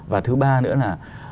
và thứ ba nữa là